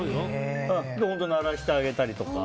本当に鳴らしてあげたりとか。